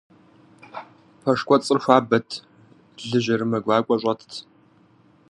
Пэш кӀуэцӀыр хуабэт, лы жьэрымэ гуакӀуэ щӀэтт.